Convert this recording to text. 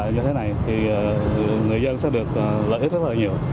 như thế này thì người dân sẽ được lợi ích rất là nhiều